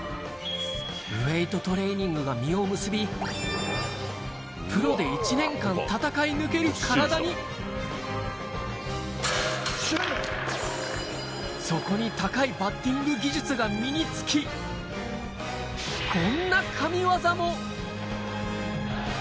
ウエートトレーニングが実を結び、プロで１年間戦い抜ける体に。そこに高いバッティング技術が身につき、こんな神業も。